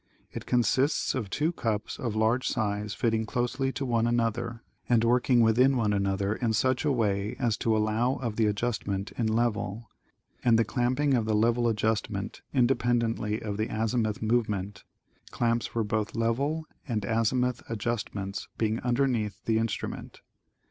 It consists of two cups of large size fitting closely to one another and working within one another in such a way as to allow of the adjustment in level, and the clamp ing of the level adjustment independently of the azimuth move ment, clamps for both level and azimuth adjustments being under neath the instrument.